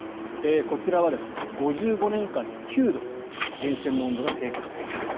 こちらは５５年間で９度源泉の温度が低下している。